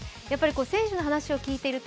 選手の話を聞いていると